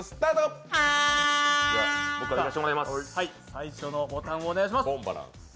最初のボタンをお願いします。